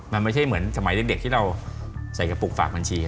มันไม่ใช่เหมือนสมัยเด็กที่เราใส่กระปุกฝากบัญชี